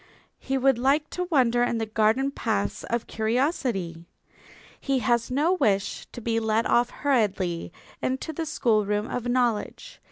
He would like to wander in the garden paths of curiosity. He has no wish to be led off hurriedly into the schoolroom of knowledge.